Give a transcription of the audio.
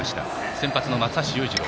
先発の松橋裕次郎。